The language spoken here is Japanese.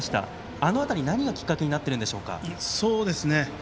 あの辺り何がきっかけになってるんでしょうか？